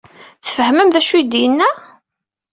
Tfehmem d acu ay d-yenna?